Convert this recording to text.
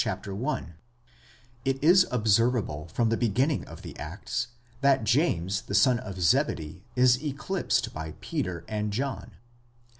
8 It is observable from the beginning of the Acts, that James the son of Zebedee is eclipsed by Peter and John.